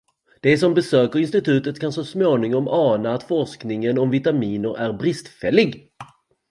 De som besöker institutet kan så småningom ana att forskningen om vitaminer är bristfällig.